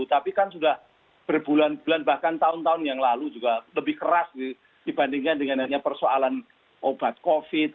tapi kan sudah berbulan bulan bahkan tahun tahun yang lalu juga lebih keras dibandingkan dengan hanya persoalan obat covid